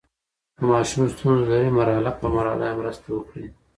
که ماشوم ستونزه لري، مرحلې په مرحله مرسته یې وکړئ.